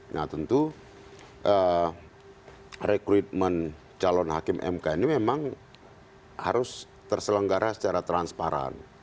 nah tentu rekrutmen calon hakim mk ini memang harus terselenggara secara transparan